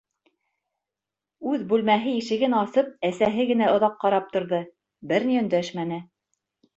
Үҙ бүлмәһе ишеген асып әсәһе генә оҙаҡ ҡарап торҙо, бер ни өндәшмәне.